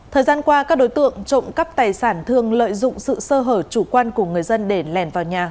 thời gian qua các đối tượng trộm cắp tài sản thường lợi dụng sự sơ hở chủ quan của người dân để lèn vào nhà